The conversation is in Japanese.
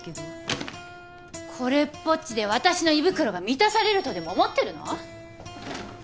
これっぽっちで私の胃袋が満たされるとでも思ってるの？